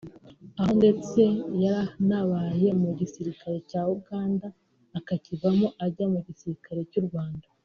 aho ndetse yaranabaye mu gisirikare cya Uganda akakivamo ajya mu gisirikare cy’u Rwanda